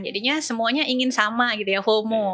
jadinya semuanya ingin sama gitu ya homo